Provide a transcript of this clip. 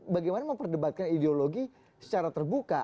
bagaimana memperdebatkan ideologi secara terbuka